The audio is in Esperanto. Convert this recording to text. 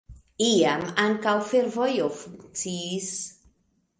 Iam ankaŭ fervojo funkciis.